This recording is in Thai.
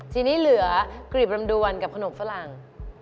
ทีนี้เหลือกรีบลำดวนกับขนมฝรั่ง